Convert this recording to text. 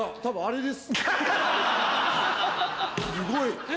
すごい。